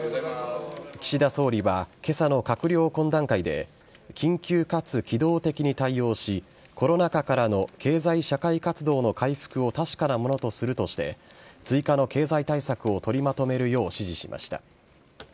岸田総理はけさの閣僚懇談会で、緊急かつ機動的に対応し、コロナ禍からの経済社会活動の回復を確かなものとするとして、追加の経済対策を取りまとめるよう指示しました。